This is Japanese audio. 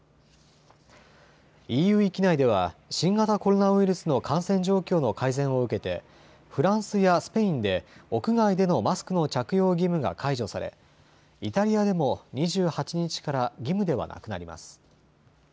ＥＵ域内では新型コロナウイルスの感染状況の改善を受けてフランスやスペインで屋外でのマスクの着用義務が解除されイタリアでも２８日から義務ではなくなります。